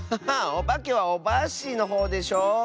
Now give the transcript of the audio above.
おばけはオバッシーのほうでしょ。